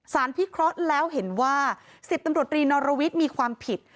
พิเคราะห์แล้วเห็นว่า๑๐ตำรวจรีนอรวิทย์มีความผิด